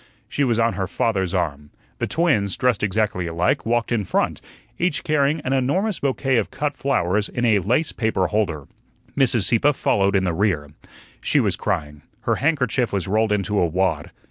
She was on her father's arm. The twins, dressed exactly alike, walked in front, each carrying an enormous bouquet of cut flowers in a "lace paper" holder. Mrs. Sieppe followed in the rear. She was crying; her handkerchief was rolled into a wad.